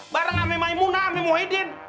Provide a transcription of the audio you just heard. bareng ame maimu naame muhaidin